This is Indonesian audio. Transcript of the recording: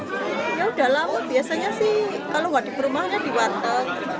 ya udah laut biasanya sih kalau nggak di perumahan kan di warteg